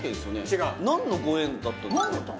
違う何のご縁だったんですか？